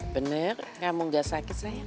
bener kamu enggak sakit sayang